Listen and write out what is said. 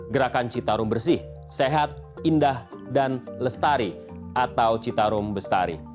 gerakan citarum bersih sehat indah dan lestari atau citarum bestari